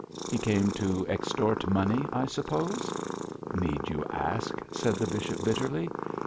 'He came to extort money, I suppose?' 'Need you ask!' said the bishop, bitterly.